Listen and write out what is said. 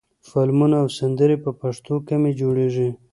فلمونه او سندرې په پښتو کمې جوړېږي.